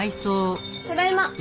ただいま。